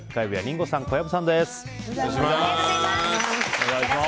本日火曜日、火曜日はリンゴさん、小籔さんです。